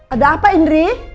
ada apa indri